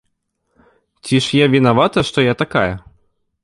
Ці ж я вінавата, што я такая?